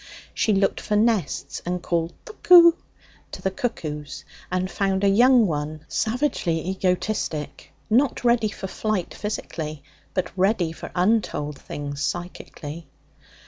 She looked for nests and called 'Thuckoo!' to the cuckoos, and found a young one, savagely egotistic, not ready for flight physically, but ready for untold things psychically.